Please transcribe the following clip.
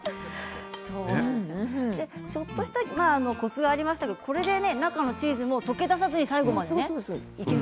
ちょっとしたコツがありましたが、これで中のチーズも溶け出さずに最後までね。